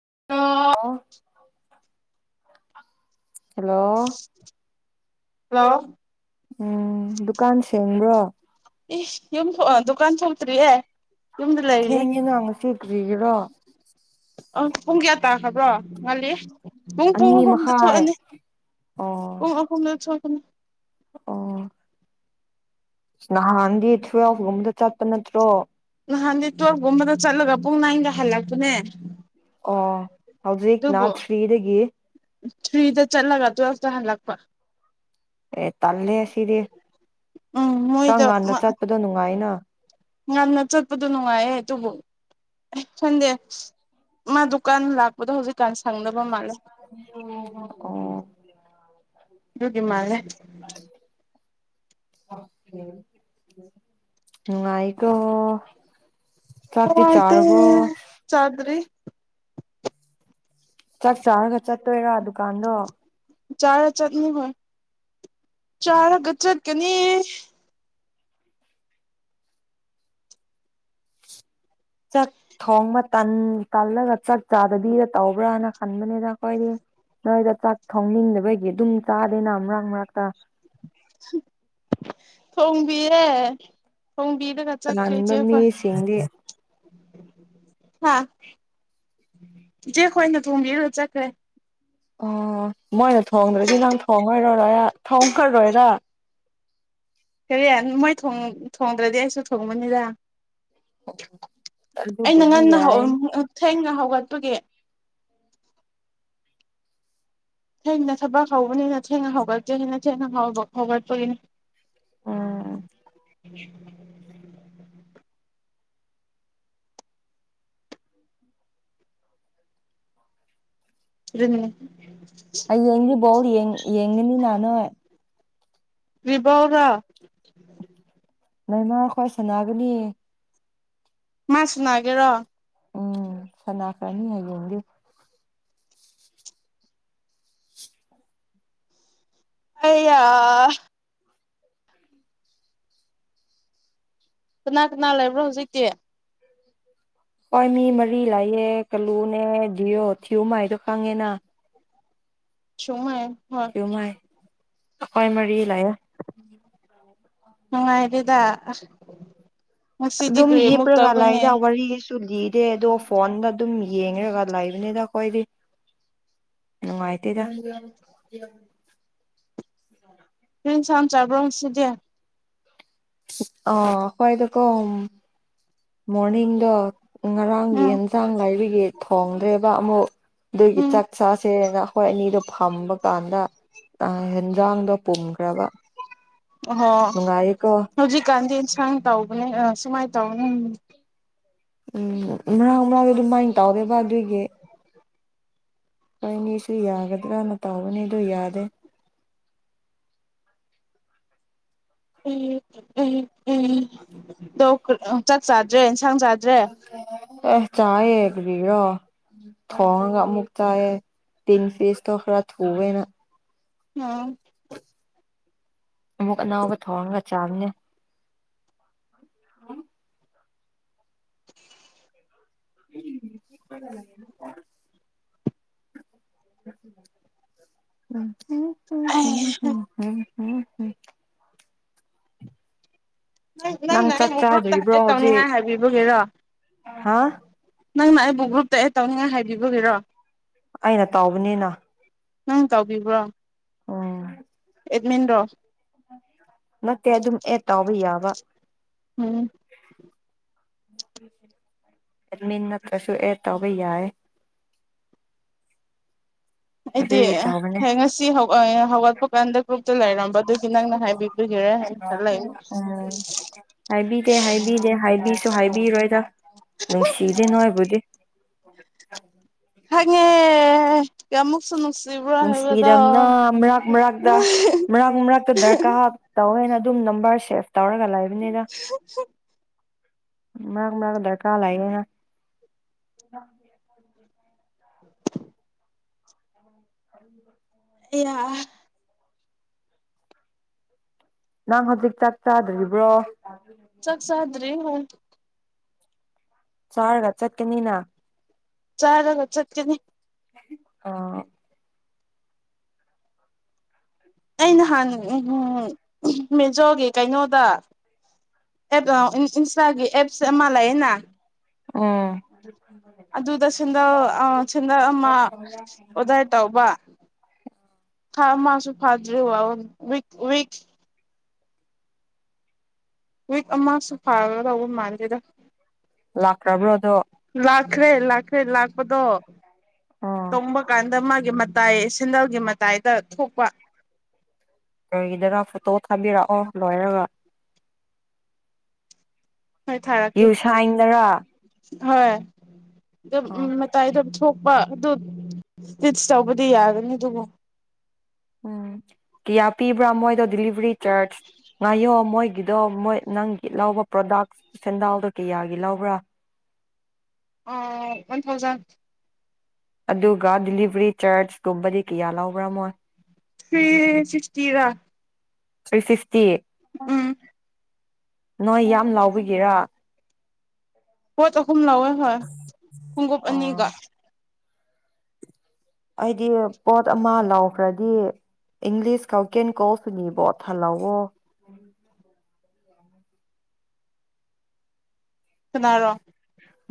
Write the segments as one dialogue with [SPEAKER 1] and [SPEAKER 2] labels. [SPEAKER 1] [unintelligible] Hello
[SPEAKER 2] hello
[SPEAKER 1] ꯎꯝ ꯗꯨꯀꯥꯟ ꯁꯦꯡꯕ꯭ꯔꯣ?
[SPEAKER 2] ꯏꯁ ꯌꯨꯝ ꯑꯥ ꯗꯨꯀꯥꯟ ꯊꯣꯛꯇ꯭ꯔꯤꯌꯦ꯫ ꯌꯨꯝꯗ ꯂꯩꯔꯤꯌꯦ
[SPEAKER 1] ꯊꯦꯡꯉꯤ ꯅꯥ ꯉꯁꯤꯗꯤ [unintelligible]
[SPEAKER 2] ꯑ ꯄꯨꯡ ꯀꯌꯥ ꯇꯥꯈꯕ꯭ꯔꯣ? ꯉꯜꯂꯤ ꯄꯨꯡ ꯄꯨꯡ
[SPEAKER 1] ꯑꯅꯤ
[SPEAKER 2] ꯑꯍꯨꯝꯗ
[SPEAKER 1] ꯃꯈꯥꯏ
[SPEAKER 2] ꯊꯣꯛꯑꯅꯤ
[SPEAKER 1] ꯑꯣ
[SPEAKER 2] ꯄꯨꯡ ꯑꯍꯨꯝꯗ ꯊꯣꯛ [unintelligible]
[SPEAKER 1] ꯑꯣ ꯅꯍꯥꯟꯗꯤ ꯊꯨꯋꯦꯜꯐꯒꯨꯝꯕꯗ ꯆꯠꯄ ꯅꯠꯇ꯭ꯔꯣ?
[SPEAKER 2] ꯅꯍꯥꯟꯗꯤ ꯇꯨꯋꯦꯜꯐꯒꯨꯝꯕꯗ ꯆꯠꯂꯒ ꯄꯨꯡ ꯅꯥꯏꯟꯗ ꯍꯜꯂꯛꯄꯅꯦ ꯫
[SPEAKER 1] ꯑꯣ ꯍꯧꯖꯤꯛ ꯅꯥ ꯊ꯭ꯔꯤꯗꯒꯤ
[SPEAKER 2] ꯊ꯭ꯔꯤꯗ ꯆꯠꯂꯒ ꯇꯨꯋꯦꯜꯐꯇ ꯍꯜꯂꯛꯄ꯫
[SPEAKER 1] ꯑꯦ ꯇꯜꯂꯦ ꯁꯤꯗꯤ
[SPEAKER 2] ꯎꯝ
[SPEAKER 1] ꯈꯔ
[SPEAKER 2] ꯃꯣꯏꯗꯣ
[SPEAKER 1] ꯉꯟꯅ ꯆꯠꯄꯗꯣ ꯅꯨꯡꯉꯥꯏꯅ꯫
[SPEAKER 2] ꯉꯟꯅ ꯆꯠꯄꯗꯣ ꯅꯨꯡꯉꯥꯏꯌꯦ ꯑꯗꯨꯕꯨ ꯈꯟꯗꯦ ꯃꯥ ꯗꯨꯀꯥꯟ ꯂꯥꯛꯄꯗꯣ ꯍꯧꯖꯤꯛꯀꯥꯟꯁꯤ
[SPEAKER 1] ꯑꯣ
[SPEAKER 2] ꯗꯨ ꯒꯤ ꯃꯥꯜꯂꯦ
[SPEAKER 1] ꯎ ꯅꯨꯉꯥꯏꯀꯣ
[SPEAKER 2] [unintelligible] ꯆꯥꯗꯔꯤ
[SPEAKER 1] ꯆꯥꯛ ꯆꯥꯔꯒ ꯆꯠꯇꯣꯏꯔꯥ ꯗꯨꯀꯥꯟꯗꯣ?
[SPEAKER 2] ꯆꯥꯔ ꯆꯠꯅꯤ ꯍꯣꯏ꯫ ꯆꯔꯒꯆꯠ ꯀꯅꯤ
[SPEAKER 1] ꯆꯥꯛ ꯊꯣꯡꯕ ꯇꯜꯂꯒ ꯆꯥꯛ ꯆꯥꯗꯕꯤꯗ ꯇꯧꯕ꯭ꯔꯥꯅ ꯈꯟꯕꯅꯤꯅ ꯑꯩꯈꯣꯏꯗꯤ ꯅꯣꯏꯗ ꯆꯥꯛ ꯊꯣꯡꯅꯤꯡꯗꯕꯒꯤ ꯑꯗꯨꯝ ꯆꯥꯗꯦꯅ ꯃꯔꯛ- ꯃꯔꯛꯇ꯫
[SPEAKER 2] ꯊꯣꯡꯕꯤꯌꯦ ꯊꯣꯡꯕꯤꯔꯒ ꯆꯠꯈ꯭ꯔꯦ
[SPEAKER 1] [unintelligible] ꯃꯤ
[SPEAKER 2] ꯏꯆꯦꯈꯣꯏ
[SPEAKER 1] ꯁꯤꯡꯗꯤ
[SPEAKER 2] ꯍꯥ ꯆꯦ ꯈꯣꯏꯅ ꯊꯣꯡꯕꯤꯔꯒꯥ ꯆꯠꯈꯥ꯫
[SPEAKER 1] ꯑꯣ ꯃꯣꯏꯅ ꯊꯣꯡꯗ꯭ꯔꯗꯤ ꯅꯪ ꯊꯣꯡꯉꯣꯏꯔꯔꯣꯏ ꯊꯣꯡꯈ꯭ꯔꯔꯣꯏꯔ
[SPEAKER 2] ꯀꯔꯤ ꯃꯣꯏ ꯊꯣꯡꯗ꯭ꯔꯗꯤ ꯑꯩꯁꯨ ꯊꯣꯡꯕꯅꯤꯗꯥ
[SPEAKER 1] ꯑꯗꯨꯕꯨꯗꯤ ꯌꯥꯏ
[SPEAKER 2] ꯁꯦꯡꯅ ꯍꯧꯒꯠꯄꯒꯤ ꯊꯦꯡꯅ ꯊꯕꯛ ꯍꯧꯕꯅꯤꯅ ꯊꯦꯡꯅ ꯍꯧꯒꯠꯀꯦ ꯍꯥꯏꯦꯅ ꯊꯦꯡꯅ ꯍꯧꯒꯠꯄꯒꯤꯅꯤ ꯎꯝ [inaudible] ꯑꯗꯨꯝ
[SPEAKER 1] ꯍꯌꯦꯡꯗꯤ ꯕ‌ꯣꯜ ꯌꯦꯡ ꯌꯦꯡꯅꯤꯅꯥ ꯅ‌ꯣꯏ
[SPEAKER 2] ꯕꯤꯕ‌ꯧꫪꯥ
[SPEAKER 1] ꯅꯃ ꯑꯩ ꯈꯈꯣꯏ ꯁꯥꯟꯅꯥꯒꯅꯤ
[SPEAKER 2] ꯃꯥꯁꯨꯅꯒꯦ ꯔꯣ
[SPEAKER 1] ꯎꯝ ꯁꯅꯥ ꯐ꯭ꯔꯅꯤ ꯍꯥꯏ ꯌꯦꯡꯗ
[SPEAKER 2] ꯑꯌꯥ ꯀꯅꯥ ꯀꯅꯥ ꯂꯩꯕ꯭ꯔꯣ ꯍꯧꯖꯤꯛꯇꯤ
[SPEAKER 1] ꯍꯣꯏ ꯃꯤ ꯃꯔꯤ ꯂꯥꯛꯌꯦ ꯀꯜꯂꯨꯅꯦ ꯌꯣ ꯊꯤꯌꯨ ꯃꯥ ꯍꯥꯏꯗꯣ ꯈꯪꯉꯦꯅ
[SPEAKER 2] ꯁꯨꯃ
[SPEAKER 1] ꯀꯃꯥꯏ ꯈꯣꯏ ꯃꯔꯤ ꯂꯩꯌ‌ꯦ
[SPEAKER 2] ꯑ ꯍꯥꯏꯗ‌ꯦꯗ
[SPEAKER 1] ꯑꯗꯨꯝ ꯍꯤꯄ꯭ꯔꯒꯂ ꯏꯗꯔ ꯇꯨ ꯂꯤꯗꯦ ꯑꯗꯣ ꯐꯣꯟꯗ ꯑꯗꯨꯝ ꯌꯦꯡꯉꯒ ꯂꯩꯕꯅꯤꯗ ꯑꯩꯈꯣꯏꯗꯤ ꯅꯨꯡꯉꯥꯏꯇꯦꯗ
[SPEAKER 2] ꯁꯥꯡ ꯆꯥꯕ꯭ꯔꯣꯁꯤꯗꯦ
[SPEAKER 1] ꯑꯈꯣꯏꯗꯀꯣ ꯃꯣꯔꯅꯤꯡꯗ‌ꯣ ꯉꯔꯥꯡꯒꯤ
[SPEAKER 2] ꯎꯝ
[SPEAKER 1] ꯑꯦꯟꯖꯥꯡ ꯂꯥꯏꯕꯤꯒꯤ ꯊꯣꯡꯗ꯭ꯔꯦꯕ ꯑꯃꯨꯛ ꯑꯗꯨꯒꯤ
[SPEAKER 2] ꯎꯝ
[SPEAKER 1] ꯆꯥꯛ ꯆꯁꯦꯅ ꯑꯩꯈꯣꯏ ꯑꯅꯤꯗꯣ ꯐꯝꯕ ꯀꯥꯟꯗ ꯌꯦꯟꯖꯥꯡꯗꯣ ꯄꯨꯝꯈ꯭ꯔꯕ
[SPEAKER 2] ꯑꯣ
[SPEAKER 1] ꯅꯨꯡꯉꯥꯏꯌꯦꯀꯣ
[SPEAKER 2] ꯍꯧꯖꯤꯛ ꯀꯥꯟꯗꯤ ꯁꯥꯡ ꯇꯧꯕꯅꯦ ꯑ ꯁꯨꯃꯥꯏꯅ ꯇꯧ ꯎꯝ
[SPEAKER 1] ꯎꯝ ꯃꯔꯥꯡ ꯃꯔꯥꯡꯗ ꯑꯗꯨꯃꯥꯏꯅ ꯇꯧꯗꯦꯕ ꯑꯗꯨꯒꯤ ꯍꯣꯏꯅꯦꯁꯨ ꯌꯥꯒꯗ꯭ꯔꯅ ꯇꯥꯎꯕꯅꯤꯗꯣ ꯌꯥꯗꯦ
[SPEAKER 2] ꯎꯝ ꯎꯝ ꯎꯝ ꯆꯥꯛ ꯆꯥꯗ꯭ꯔꯦ ꯏꯟꯁꯥꯡ ꯆꯥ
[SPEAKER 1] ꯑꯥ ꯆꯥꯏꯌꯦ ꯀꯔꯤꯔꯣ ꯊꯣꯡꯉꯒ ꯑꯃꯨꯛ ꯆꯥꯏꯌꯦ ꯇꯤꯟ ꯄꯤꯁꯇꯣ ꯈꯔ ꯊꯨꯑꯦꯅ
[SPEAKER 2] ꯑ‌ꯣ
[SPEAKER 1] ꯑꯃꯨꯛ ꯑꯅꯧꯕꯥ ꯊꯣꯉꯒꯥ ꯆꯕꯅꯦ [inaudible] ꯎꯝ
[SPEAKER 2] ꯑꯩꯍꯥ
[SPEAKER 1] ꯎꯝ ꯍꯝ
[SPEAKER 2] ꯅꯪ ꯅꯪꯅ
[SPEAKER 1] ꯆꯥꯛ
[SPEAKER 2] ꯑꯩꯕꯨ ꯒ꯭ꯔꯨꯞꯇ
[SPEAKER 1] ꯆꯥꯗ꯭ꯔꯤꯕ꯭ꯔꯣ
[SPEAKER 2] ꯍꯥꯏ
[SPEAKER 1] ꯍꯧꯖꯤꯛ
[SPEAKER 2] ꯇꯧꯅꯤꯡꯉꯥꯏ ꯍꯥꯏꯕꯤꯕꯒꯤꯔꯣ
[SPEAKER 1] ꯍꯥ
[SPEAKER 2] ꯅꯪꯅ ꯑꯩꯕꯨ ꯒ꯭ꯔꯨꯞꯇ ꯑꯦꯠ ꯇꯧꯅꯤꯡꯉꯥꯏ ꯍꯥꯏꯕꯤꯕꯒꯤꯔꯣ
[SPEAKER 1] ꯑꯩꯅ ꯇꯥꯎꯕꯅꯤꯅꯥ
[SPEAKER 2] ꯅꯪ ꯇꯧꯎꯥꯎꯕꯤꯕ꯭ꯔꯣ ꯑꯦꯠꯃꯤꯟꯗ
[SPEAKER 1] ꯅꯠꯇꯦ ꯑꯗꯨꯝ ꯑꯦꯗ ꯇꯥꯎꯕ ꯌꯥꯕ
[SPEAKER 2] ꯎꯝ
[SPEAKER 1] ꯑꯦꯃꯤ ꯅꯠꯇ꯭ꯔꯁꯨ ꯑꯦꯗ ꯇꯧꯕ ꯌꯥꯏ
[SPEAKER 2] ꯑꯩꯗꯤ
[SPEAKER 1] ꯑꯗꯨꯒꯤ ꯇꯧꯕꯅꯦ
[SPEAKER 2] ꯉꯁꯤ ꯍꯧꯒꯠꯄ ꯀꯥꯟꯗ ꯒ꯭ꯔꯨꯞꯇ ꯂꯩꯔꯝꯕ ꯑꯗꯨꯒꯤ ꯅꯪꯅ ꯍꯥꯏꯕꯤꯒꯔꯦ ꯍꯥꯏꯅ ꯈꯂ
[SPEAKER 1] ꯎꯝ ꯁꯨ ꯍꯥꯏꯕꯤꯔꯣꯏꯗ ꯅꯨꯡꯁꯤꯗꯦ ꯅꯣꯏꯕꯖꯗꯤ [inaudible] [inaudible]
[SPEAKER 2] ꯀꯃꯨꯛꯁꯨ ꯅꯨꯡꯁꯤ
[SPEAKER 1] ꯅꯨꯡꯁꯤꯗꯗꯝꯅ ꯃꯔꯛ ꯃꯔꯛꯇ ꯃꯔꯛ ꯃꯔꯛꯇ ꯗꯔꯀꯥꯔ ꯇꯧꯋꯦꯅ ꯑꯗꯨꯝ ꯅꯝꯕꯔ ꯁꯦꯚ ꯇꯧꯔꯒ ꯂꯩ ꯅꯦꯗ ꯃꯔꯛ ꯃꯔꯒ ꯗꯔꯀꯥ ꯂꯩꯅꯥ
[SPEAKER 2] ꯑꯦ
[SPEAKER 1] ꯅꯪ ꯍꯧꯖꯤꯛ ꯆꯥꯛ ꯆꯥꯗ꯭ꯔꯤꯕ꯭ꯔꯣ
[SPEAKER 2] ꯆꯥꯛ ꯆꯥꯗ꯭ꯔꯤ ꯍꯣꯏ [inaudible]
[SPEAKER 1] ꯆꯥꯔꯒ ꯆꯠꯀꯅꯤꯅ
[SPEAKER 2] ꯆꯥꯒ ꯆꯠ ꯀꯅꯤ
[SPEAKER 1] ꯑꯥ
[SPEAKER 2] ꯑꯩ ꯅꯍꯥꯟ ꯃꯦꯖꯣꯒꯤ ꯀꯩꯅꯣꯗ ꯑꯦꯞ ꯏꯟꯁꯇꯥꯒꯤ ꯑꯦꯞꯁꯦ ꯑꯃ ꯂꯩꯌꯦꯅꯦ
[SPEAKER 1] ꯎꯝ
[SPEAKER 2] ꯑꯗꯨꯗ ꯁꯦꯟꯗꯜ ꯑꯥ ꯁꯦꯟꯗꯜ ꯑꯃ ꯑꯣꯖꯥꯏ ꯇꯧꯕ ꯊꯥ ꯑꯃꯥꯁꯨ ꯐꯥꯗꯔꯤ [unintelligible] ꯋꯤꯛ ꯑꯃꯁꯨ ꯐꯥꯔꯒ ꯂꯧꯕ ꯃꯥꯥꯟꯗ‌ꯦꯗ
[SPEAKER 1] ꯂꯥꯛ꯭ꯔꯕ꯭ꯔꯣꯗꯣ
[SPEAKER 2] [unintelligible] ꯐꯦ ꯂꯥꯛꯄꯗꯣ
[SPEAKER 1] ꯑꯥ
[SPEAKER 2] ꯇꯣꯡꯝꯕ ꯀꯥꯟꯗ ꯃꯥ ꯒꯤ ꯃꯇꯥꯏ ꯁꯦꯟꯗꯜꯒꯤ ꯃꯇꯥꯏꯗ ꯊꯣꯛꯄ
[SPEAKER 1] ꯑꯩ ꯏꯗꯔ ꯐꯨꯇꯣ ꯊꯝꯕꯤꯔꯛꯑꯣ ꯂꯣꯏꯔꯒꯥ
[SPEAKER 2] ꯍꯣꯏ ꯊꯥꯔꯛꯀꯦ
[SPEAKER 1] ꯌꯨꯁꯥꯏꯟꯗꯔꯥ
[SPEAKER 2] ꯍꯣꯏ ꯃꯇꯥꯏꯗ ꯊꯣꯛ ꯑꯗꯨ ꯇꯤꯁ ꯇꯧꯕꯗꯤ ꯌꯥꯒꯅꯤ ꯑꯗꯨꯕꯨ
[SPEAKER 1] ꯎꯝ ꯀꯤꯌꯥ ꯄꯤꯕ꯭ꯔꯥ ꯃꯣꯏꯗꯣ ꯗꯤꯂꯤꯚꯔꯤ ꯉꯥꯏꯌꯣ ꯃꯣꯏ ꯒꯤꯗꯣ ꯃꯣꯏ ꯅꯪꯒꯤ ꯂꯧꯕ ꯄ꯭ꯔꯗꯛ ꯁꯦꯟꯗꯥꯜꯗꯣ ꯀꯌꯥꯒꯤ ꯂꯧꯕ꯭ꯔꯥ
[SPEAKER 2] ꯑ ꯋꯥꯟ ꯊꯥꯎꯖꯟ
[SPEAKER 1] ꯑꯗꯨꯒ ꯗꯤꯂꯤꯚꯔꯤ ꯆꯥꯔꯖ ꯇꯨꯝꯕꯗꯤ ꯀꯌꯥ ꯂꯕ꯭ꯔꯥ ꯃꯣꯏ
[SPEAKER 2] ꯊꯔꯤ ꯁꯤꯛꯇꯤꯔ
[SPEAKER 1] ꯊ꯭ꯔꯤ ꯁꯤ ꯇꯦ ꯅꯣꯏ ꯌꯥꯝ ꯂꯥꯎꯕꯤꯒꯦꯔ
[SPEAKER 2] ꯄꯣꯠ ꯑꯣ ꯍꯨꯝ ꯂꯧꯋꯦ ꯍꯣꯏ ꯈꯣꯡꯉꯨꯞ ꯑꯅꯤꯒ
[SPEAKER 1] ꯑꯩꯗꯤ ꯄꯣꯠ ꯑꯃ ꯂꯧꯈ꯭ꯔꯗꯤ ꯏꯪꯂꯤꯁ ꯀꯧ ꯀꯦꯟ ꯀꯣꯁꯨꯅꯤꯕꯣ ꯊꯜꯍꯛꯋ
[SPEAKER 2] ꯁꯅꯥꯔꯣ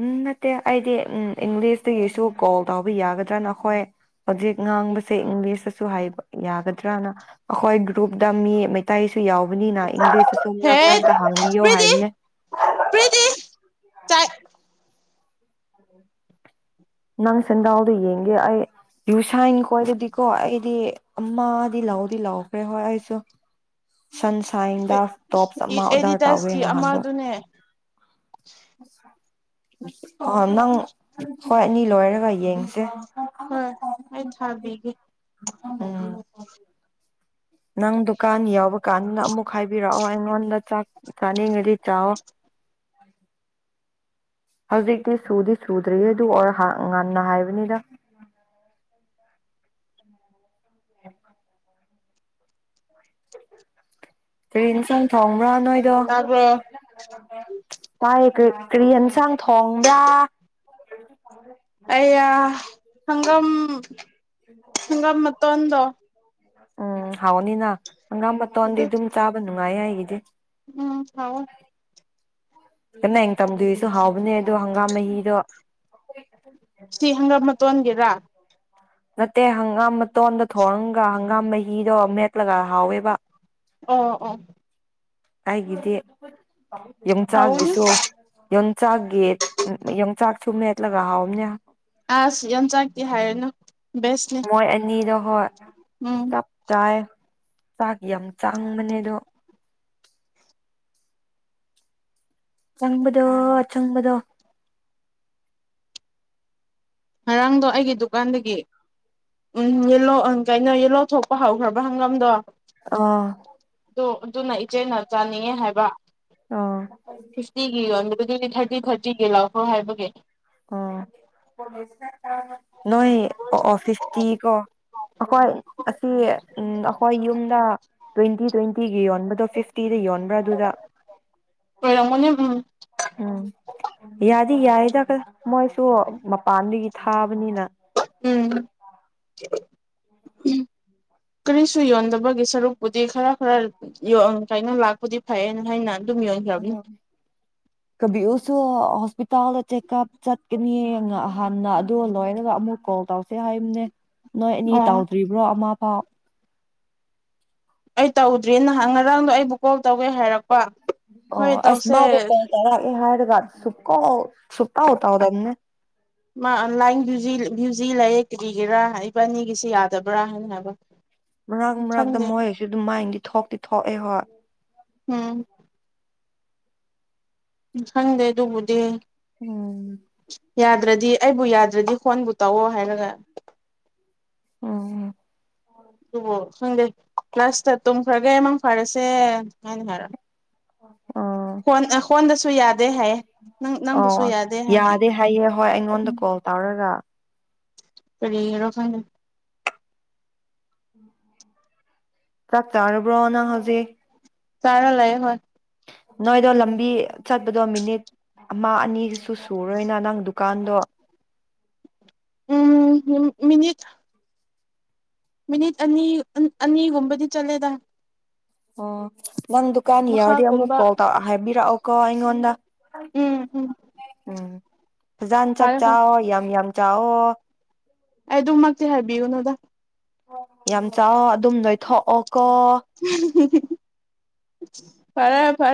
[SPEAKER 1] ꯎꯝ ꯅꯠꯇꯦ ꯑꯩꯗꯤ ꯎꯝ ꯏꯪꯂꯤꯁꯇꯒꯤꯁꯨ ꯀꯣꯜ ꯇꯧꯕ ꯌꯥꯒꯗ꯭ꯔꯅ ꯑꯩꯈꯣꯏ ꯍꯧꯖꯤꯛ ꯉꯥꯡꯕꯁꯦ ꯏꯪꯂꯤꯁꯇꯁꯨ ꯍꯥꯏꯕ ꯌꯥꯒꯗ꯭ꯔꯅ ꯑꯩꯈꯣꯏ ꯒ꯭ꯔꯨꯞꯇ ꯃꯤ ꯃꯩꯇꯩ ꯌꯥꯎꯕꯅꯤꯅ ꯏꯪꯂꯤꯁꯇꯁꯨ
[SPEAKER 2] ꯍꯦ
[SPEAKER 1] ꯃꯔꯛ ꯃꯔꯛꯇ ꯍꯥꯡꯉꯌꯣ
[SPEAKER 2] ꯄ꯭ꯔꯤꯇꯤ
[SPEAKER 1] ꯍꯥꯏꯕꯅꯦ
[SPEAKER 2] ꯄ꯭ꯔꯤꯇꯤ ꯆꯥꯛ
[SPEAKER 1] ꯅꯪ ꯁꯦꯟꯗꯥꯎꯗꯣ ꯌꯦꯡꯒꯦ ꯑꯩ ꯌꯨꯁꯥꯏꯟ ꯀꯣꯏꯔꯗꯤꯀꯣ ꯑꯩꯗꯤ ꯑꯃꯗꯤ ꯂꯥꯎꯗꯤ ꯂꯥꯎꯈ꯭ꯔꯦ ꯍꯣꯏ ꯑꯩꯁꯨ ꯁꯟ ꯇꯣꯞ ꯑꯃ ꯑꯣꯗꯔꯥ ꯇꯧꯋꯦ
[SPEAKER 2] ꯑꯦꯗꯤꯗꯥꯁꯀꯤ
[SPEAKER 1] ꯅꯍꯟꯗꯣ
[SPEAKER 2] ꯑꯃꯗꯨꯅꯦ
[SPEAKER 1] ꯑ [unintelligible] ꯑ ꯅꯪ ꯍꯣꯏ ꯑꯅꯤ ꯂꯣꯏꯔꯒ ꯌꯦꯡꯁꯦ
[SPEAKER 2] ꯍꯣꯏ ꯑꯩ ꯊꯥꯕꯤꯒꯦ
[SPEAKER 1] ꯎꯝ ꯅꯪ ꯗꯨꯀꯥꯟ ꯌꯥꯎꯕ ꯀꯥꯟꯗ ꯑꯃꯨꯛ ꯍꯥꯏꯕꯤꯔꯛꯑꯣ ꯑꯩꯉꯣꯟꯗ ꯆꯥꯛ ꯆꯥꯅꯤꯡꯉꯗꯤ ꯆꯥꯛꯑꯣ꯫ ꯍꯧꯖꯤꯛꯇꯤ ꯁꯨꯗꯤ ꯁꯨꯗ꯭ꯔꯤꯌꯦ ꯑꯗꯨ ꯑꯣꯔ ꯉꯟꯅ ꯍꯥꯏꯕꯅꯤꯗ [unintelligible] ꯀꯩ ꯏꯟꯁꯥꯡ ꯊꯣꯡ ꯄꯨ꯭ꯔꯥ ꯅꯣꯏꯗ
[SPEAKER 2] ꯇꯥꯕ꯭ꯔꯣ
[SPEAKER 1] ꯇꯥꯏ ꯥꯀꯔꯤ ꯌꯦꯟꯁꯥꯡ ꯊꯣꯡꯕ꯭ꯔꯥ [unintelligible]
[SPEAKER 2] ꯑꯩꯌꯥ ꯑꯝ
[SPEAKER 1] ꯇ [unintelligible] ꯎꯝ ꯍꯥꯎꯅꯤꯅ ꯍꯪꯒꯥꯝ ꯃꯇꯣꯟꯗꯤ
[SPEAKER 2] ꯑꯗꯨ
[SPEAKER 1] ꯑꯗꯨꯝ ꯆꯥꯕ ꯅꯨꯡꯉꯥꯏ ꯑꯩ [unintelligible]
[SPEAKER 2] ꯎꯝ ꯍꯥꯎꯑ‌ꯦ
[SPEAKER 1] [unintelligible] ꯇꯗꯣꯏꯁꯨ ꯍꯥꯎꯕꯅꯦ ꯑꯗ‌ꯣ ꯥ ꯃꯍꯤꯗꯣ
[SPEAKER 2] ꯁꯤ ꯍꯪꯒꯥꯝ ꯃꯇꯣꯟꯒꯦꯔꯥ
[SPEAKER 1] ꯅꯠꯇꯦ ꯍꯪꯒꯥꯝ ꯃꯇ ꯃꯇꯣꯟꯗ ꯊꯣꯔꯝꯒ ꯍꯪꯒꯥꯝꯝꯕ ꯍꯤꯗꯣ ꯃꯦꯠꯂꯒ ꯍꯥꯎꯋꯦꯕ
[SPEAKER 2] ꯑꯣ ꯑꯣ
[SPEAKER 1] ꯑꯩꯒꯤꯗꯤ
[SPEAKER 2] ꯍꯥꯎꯅꯤ
[SPEAKER 1] ꯌꯣꯡꯆꯥꯛꯒꯤꯁꯨ ꯌꯣꯡꯆꯥꯛꯒꯤ ꯌꯣꯡꯆꯥꯛꯁꯨ ꯃꯦꯠ ꯂꯒ ꯍꯥꯑꯣꯕꯥꯅꯦ
[SPEAKER 2] ꯑꯁ ꯌꯥꯝ ꯆꯥꯛꯇꯦ ꯍꯥꯏꯔꯅꯨ ꯕꯦꯁꯅꯤ
[SPEAKER 1] ꯃꯣꯏ ꯑꯅꯤꯗꯣ ꯍꯣꯏ
[SPEAKER 2] ꯎꯝ
[SPEAKER 1] ꯆꯞ ꯆꯥꯏ ꯆꯥꯛ ꯌꯥꯝ ꯆꯥꯡꯕꯅꯦ ꯑꯗꯣ ꯆꯪꯕꯗꯣ ꯆꯪꯕꯗꯣ
[SPEAKER 2] ꯉꯔꯥꯡꯗꯣ ꯑꯩꯒꯤ ꯗꯨꯀꯥꯟꯗꯒꯤ ꯎꯝ ꯌꯦꯂꯣ ꯀꯩꯅꯣ ꯌꯦꯂꯣ ꯊꯣꯛꯄ ꯍꯧꯈ꯭ꯔꯕ ꯍꯪꯒꯥꯝꯗꯣ
[SPEAKER 1] ꯑꯥ
[SPEAKER 2] ꯑꯗꯨ ꯑꯗꯨꯅ ꯏꯆꯦꯅ ꯆꯥꯅꯤꯡꯉꯦ ꯍꯥꯏꯕ
[SPEAKER 1] ꯑꯥ
[SPEAKER 2] ꯐꯤꯇꯤꯒꯤ ꯑꯗꯨꯗꯤ ꯊꯥꯔꯇꯤ ꯊꯥꯔꯇꯤꯒꯤ ꯂꯥꯛꯑꯣ ꯍꯣꯏ ꯍꯥꯏꯕꯒꯤ
[SPEAKER 1] [inaudible] ꯅꯣꯏ ꯑꯣ ꯑꯣ ꯐꯤꯐꯇꯤ ꯀꯣ ꯑꯩꯈꯣꯏ ꯑꯁꯤ ꯎ ꯑꯩꯈꯣꯏ ꯌꯨꯝꯗ ꯇ꯭ꯋꯦꯟꯇꯤ ꯇ꯭ꯋꯦꯟꯇꯤ ꯌꯣꯟꯕꯗꯣ ꯐꯤꯐꯇꯤꯗ ꯌꯣꯟꯕ꯭ꯔꯥ ꯑꯗꯨꯗ
[SPEAKER 2] ꯑꯣꯏꯔꯝꯒꯅꯤ ꯎꯝ
[SPEAKER 1] ꯎꯝ ꯌꯥꯗꯤ ꯌꯥꯏꯗꯥ ꯃꯣꯏꯁꯨ ꯃꯄꯥꯟꯗꯒꯤ ꯊꯥꯕꯅꯤꯅ
[SPEAKER 2] ꯎꯝ ꯀꯔꯤꯁꯨ ꯌꯣꯟꯗꯕꯒꯤ ꯁꯔꯨꯛꯄꯨꯗꯤ ꯈꯔ ꯈꯔ ꯌꯣꯟ ꯀꯥꯏꯅ ꯂꯥꯛꯄꯨꯗꯤ ꯐꯩꯌꯦꯅ ꯍꯥꯏꯅꯅꯤ
[SPEAKER 1] ꯀꯕꯤ ꯑꯣꯁꯨꯣ ꯍꯣꯁꯄꯤꯇꯥꯜꯗ ꯆꯦꯛꯑꯞ ꯆꯠꯀꯅꯤ ꯍꯥꯟꯅ ꯑ ꯂꯣꯏꯔꯒ ꯑꯃꯨꯛ ꯀꯣꯜ ꯇꯧꯁꯦ ꯍꯥꯏꯝꯅꯦ ꯅꯣꯏ ꯑꯦꯅꯤ
[SPEAKER 2] ꯑꯣ
[SPEAKER 1] ꯇꯥꯎꯗ꯭ꯔꯤꯕ꯭ꯔꯣ ꯑꯃ ꯑꯣ
[SPEAKER 2] ꯑꯩ ꯇꯧꯗ꯭ꯔꯤ ꯅꯍꯥꯟ ꯉꯔꯥꯡꯗꯣ ꯑꯩꯕꯨ ꯀꯣꯜ ꯇꯧꯒꯦ ꯍꯥꯏꯔꯛꯄ ꯍꯣꯏ
[SPEAKER 1] ꯑꯣ
[SPEAKER 2] ꯇꯧꯁꯦ
[SPEAKER 1] ꯑꯁꯃꯗꯨ ꯀꯩ ꯇꯔ ꯍꯥꯏꯔ ꯁꯛꯀꯥ ꯁꯨꯛꯇꯧ ꯇꯧꯗꯕꯅꯦ ꯑꯗꯨ ꯑꯗꯨ
[SPEAKER 2] ꯃꯥ ꯂꯥꯏꯟ ꯚ꯭ꯌꯨꯖꯤ ꯂꯩꯌꯦ ꯀꯔꯤꯒꯤꯔꯥ ꯏꯄꯥ ꯑꯅꯤꯒꯤꯁꯤ ꯌꯥꯗꯕ꯭ꯔꯥ ꯍꯥꯏꯅꯕ
[SPEAKER 1] ꯃꯔꯛ ꯃꯔꯛꯇ ꯃꯣꯏ ꯍꯥꯏꯁꯨ ꯑꯗꯨꯝ ꯃꯥꯏꯗꯤ ꯊꯣꯛꯇꯤ ꯊꯣꯛꯑꯦ ꯍꯣꯏ
[SPEAKER 2] ꯎꯝ ꯎ ꯈꯪꯗꯦ ꯑꯗꯨꯕꯨꯗꯤ
[SPEAKER 1] ꯎꯝ
[SPEAKER 2] ꯌꯥꯗ꯭ꯔꯗꯤ ꯑꯩꯕꯨ ꯌꯥꯗ꯭ꯔꯗꯤ ꯍꯣꯟꯕꯨ ꯇꯧꯑꯣ ꯍꯥꯏꯔꯒ
[SPEAKER 1] ꯎꯝ
[SPEAKER 2] ꯑꯣ ꯈꯪꯗꯦ ꯀ꯭ꯂꯥꯁꯇ ꯇꯨꯝꯈ꯭ꯔꯒꯦ ꯏꯃꯥꯡ ꯐꯔꯁꯦ ꯍꯥꯏꯅꯤ ꯍꯥꯏꯔ
[SPEAKER 1] ꯑꯣ
[SPEAKER 2] ꯍꯣꯟ ꯍꯣꯟꯗꯁꯨ ꯌꯥꯗꯦ ꯍꯥꯏꯌꯦ ꯅꯪ
[SPEAKER 1] ꯑꯣ
[SPEAKER 2] ꯅꯪꯕꯨꯁꯨ ꯌꯥꯗꯦ ꯍꯥꯏꯅ
[SPEAKER 1] ꯍꯥꯏꯌꯦ ꯍꯣꯏ ꯑꯩꯉꯣꯟꯗ ꯀꯣꯜ ꯇꯧꯔꯒ
[SPEAKER 2] ꯀꯔꯤꯒꯤꯔꯣ ꯈꯪꯗ
[SPEAKER 1] ꯆꯥꯛ ꯆꯥꯔꯕ꯭ꯔꯣꯑꯣꯅꯥ ꯍꯧꯖꯤ
[SPEAKER 2] ꯆꯔꯥ ꯂꯑꯦ ꯍꯣꯏ
[SPEAKER 1] ꯅꯣꯏꯗꯣ ꯂꯝꯕꯤ ꯆꯠꯄꯗꯣ ꯃꯤꯅꯤꯠ ꯑꯃ ꯑꯅꯤꯁꯨ ꯁꯨꯔꯣꯏꯅ ꯅꯪ ꯗꯨꯀꯥꯟꯗꯣ
[SPEAKER 2] ꯎꯝ ꯃꯤꯅꯤꯠ ꯃꯤꯅꯤꯠ ꯑꯅꯤ ꯑꯅꯤꯒꯨꯝꯕꯗꯤ ꯆꯠꯂꯦꯗ
[SPEAKER 1] ꯑꯣ ꯅꯪ ꯗꯨꯀꯥꯟ ꯌꯥꯔꯗꯤ ꯑꯃꯨꯛ
[SPEAKER 2] ꯃꯈꯥꯒꯨꯝꯕ
[SPEAKER 1] ꯀꯣꯜ ꯇꯧ ꯍꯥꯏꯕꯤꯔꯛꯑꯣꯀꯣ ꯑꯩꯉꯣꯟꯗ
[SPEAKER 2] ꯎꯝ ꯎꯝ
[SPEAKER 1] ꯎꯝ ꯖꯥꯟ ꯆꯥꯛ
[SPEAKER 2] ꯐꯔꯦ ꯐꯔꯦ
[SPEAKER 1] ꯆꯥꯑꯣ ꯌꯥꯝ ꯌꯥꯝ ꯌꯥꯑꯣ
[SPEAKER 2] ꯑꯩ ꯑꯗꯨꯃꯛꯇꯤ ꯍꯥꯏꯕꯤꯌꯨꯅꯨꯗ
[SPEAKER 1] ꯌꯥꯝ ꯑꯗꯨꯝ ꯅꯣꯏꯊꯣꯛꯑꯣ ꯀꯣ
[SPEAKER 2] ꯐꯔꯦ ꯐꯔ‌ꯦ